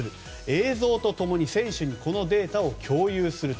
映像と共に選手にこのデータを共有する。